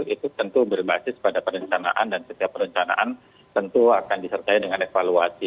itu tentu berbasis pada perencanaan dan setiap perencanaan tentu akan disertai dengan evaluasi